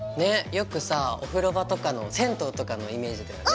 よくさお風呂場とかの銭湯とかのイメージだよね。